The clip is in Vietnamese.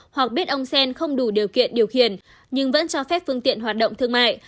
hoặc biết ông xen không đủ điều kiện điều khiển nhưng vẫn cho phép phương tiện hoạt động thương mại